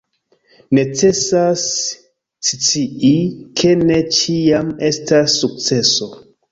Necesas scii, ke ne ĉiam estas sukceso.